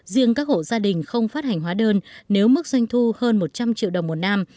riêng các hộ gia đình không phát hành hóa đơn nếu mức doanh thu hơn một trăm linh triệu đồng một năm